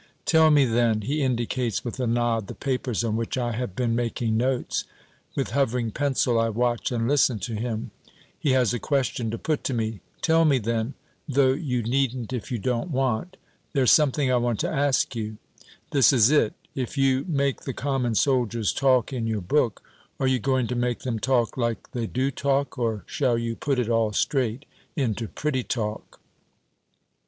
"Tell me, then" he indicates with a nod the papers on which I have been making notes. With hovering pencil I watch and listen to him. He has a question to put to me "Tell me, then, though you needn't if you don't want there's something I want to ask you. This is it; if you make the common soldiers talk in your book, are you going to make them talk like they do talk, or shall you put it all straight into pretty talk?